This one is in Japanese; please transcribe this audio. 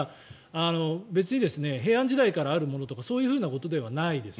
別に平安時代からあるものとかそういうことではないです。